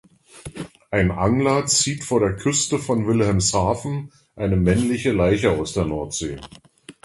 Ein Angler zieht vor der Küste von Wilhelmshaven eine männliche Leiche aus der Nordsee.